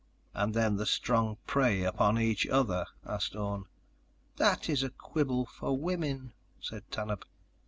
"And then the strong prey upon each other?" asked Orne. "That is a quibble for women," said Tanub.